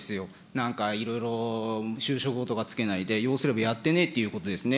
なんかいろいろ修飾語とかつけないで、要するにやってねぇということですね。